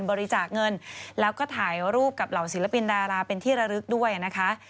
บริจาคเงินแล้วก็ถ่ายรูปกับเหล่าศิลปินดาราเป็นที่ระลึกด้วยนะคะ